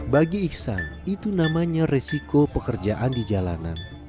bagi iksan itu namanya resiko pekerjaan di jalanan